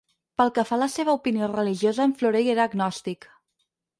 Pel que fa a la seva opinió religiosa, en Florey era agnòstic.